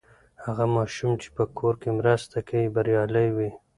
هغه ماشوم چې په کور کې مرسته کوي، بریالی وي.